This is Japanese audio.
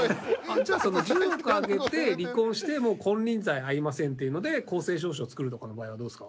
じゃあ、その１０億あげて離婚してもう金輪際会いませんというので公正証書を作る場合はどうですか？